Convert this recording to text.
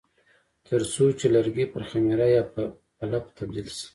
ترڅو چې لرګي پر خمیره یا پلپ تبدیل شي.